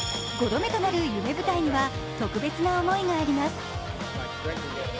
５度目となる夢舞台には特別な思いがあります。